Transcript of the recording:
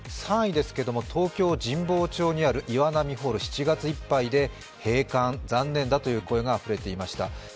３位ですけれども東京・神保町にある岩波ホール、７月いっぱいで閉館、残念だという声が増えていました。